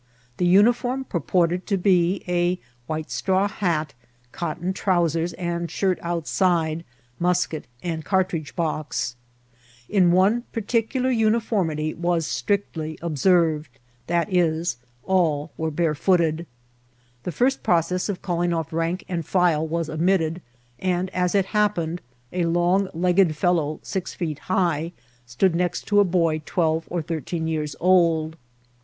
The uniform purported to be a white straw hat, cotton trousers and shirt outside, musket, and cartridge box. In one particular uniform* ity was strictly observed, viz., all were barefooted. The first process of calling off rank and file was omit* ted ; and, as it happened, a long legged fellow, six feet high, stood next to a boy twelve or thirteen years old.